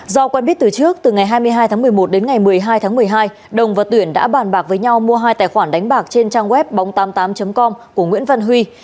do quen biết từ trước từ ngày hai mươi hai tháng một mươi một đến ngày một mươi hai tháng một mươi hai đồng và tuyển đã bàn bạc với nhau mua hai tài khoản đánh bạc trên trang web bóng tám mươi tám com của nguyễn văn huy